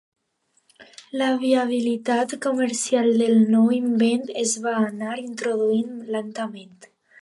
La viabilitat comercial del nou invent es va anar introduint lentament.